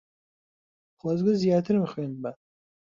خۆزگە زیاترم خوێندبا.